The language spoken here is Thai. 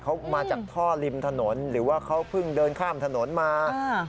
เขามาจากท่อริมถนนหรือว่าเขาเพิ่งเดินข้ามถนนมาอ่า